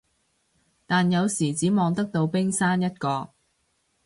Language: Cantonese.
但有時只望得到冰山一角